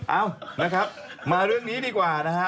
เอ้านะครับมาเรื่องนี้ดีกว่านะฮะ